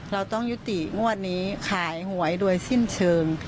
เราต้องยุติงวดนี้ขายหวยโดยสิ้นเชิง